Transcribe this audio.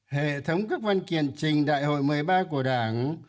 hệ thống các văn kiện trình đại hội một mươi ba của đảng